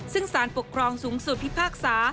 ซึ่งสารปกครองสูงสุดพิพากษา